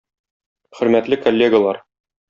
Хөрмәтле коллегалар!